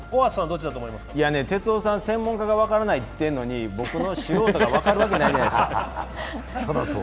哲生さん、専門家が分からないといっているのに、僕の素人が分かるわけじゃないじゃないですか。